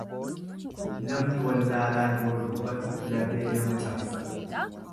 Namni wallaalaan yoo dubbatu lafee nama cabsa.